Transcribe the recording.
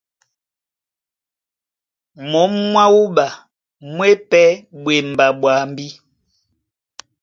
Mǒm mwá wúɓa mú e pɛ́ ɓwemba ɓwambí.